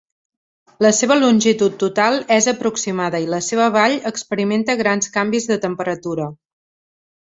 La seva longitud total és aproximada i la seva vall experimenta grans canvis de temperatura.